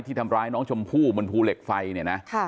ทำร้ายน้องชมพู่บนภูเหล็กไฟเนี่ยนะ